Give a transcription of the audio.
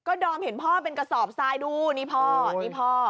ก็ดอมเห็นพ่อเป็นกระสอบทรายดูนี่พ่อนี่พ่อ